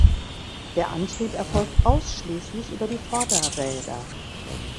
Der Antrieb erfolgt ausschließlich über die Vorderräder.